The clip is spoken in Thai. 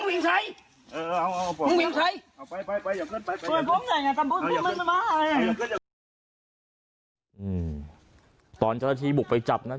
อืมตอนเจราะรติบุกไปจับนะ